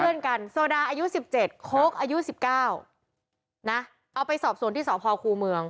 เพื่อนกันโซดาอายุสิบเจ็ดโค้กอายุสิบเก้านะเอาไปสอบสวนที่สอบภอคูเมือง